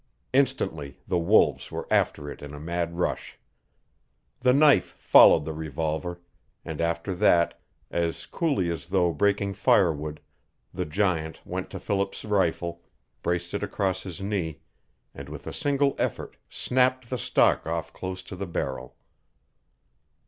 Instantly the wolves were after it in a mad rush. The knife followed the revolver; and after that, as coolly as though breaking firewood, the giant went to Philip's rifle, braced it across his knee, and with a single effort snapped the stock off close to the barrel.